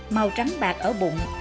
màu trắng bạc ở bụng